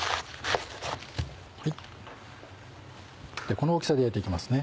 この大きさで焼いていきますね。